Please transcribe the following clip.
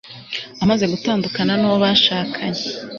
amaze gutandukana nu wo bashakanye